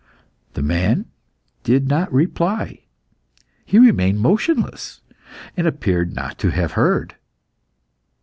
The man did not reply. He remained motionless, and appeared not to have heard.